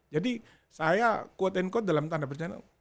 jadi saya dalam tanda percaya